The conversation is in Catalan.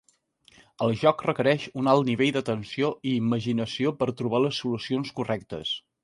El joc requereix un alt nivell d'atenció i imaginació per trobar les solucions correctes.